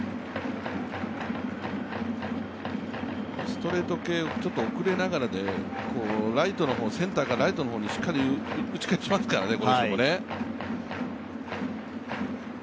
ストレート系、ちょっと遅れながらでセンターかライトの方にしっかり打ち返しますからね。